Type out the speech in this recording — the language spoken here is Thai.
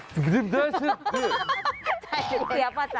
ใจเหลียบอ่ะจ๊ะ